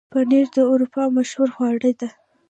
پنېر د اروپا مشهوره خواړه ده.